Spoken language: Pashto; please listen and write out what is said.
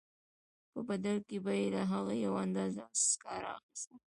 په بدل کې به یې له هغه یوه اندازه سکاره اخیستل